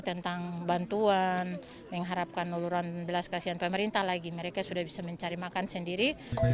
tentang bantuan mengharapkan uluran belas kasihan pemerintah lagi mereka sudah bisa mencari makan sendiri